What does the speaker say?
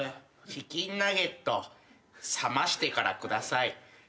チキンナゲット冷ましてから下さい。